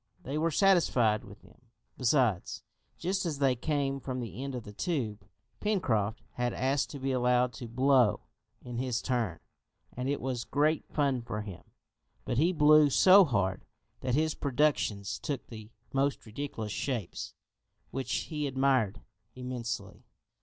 They were satisfied with them, besides, just as they came from the end of the tube. Pencroft had asked to be allowed to "blow" in his turn, and it was great fun for him; but he blew so hard that his productions took the most ridiculous shapes, which he admired immensely.